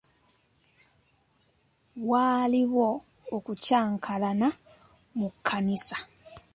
Waaliwo okukyankalana mu kkanisa.